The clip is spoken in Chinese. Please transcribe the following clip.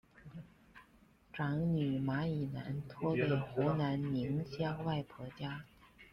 长女马以南托给湖南宁乡外婆家。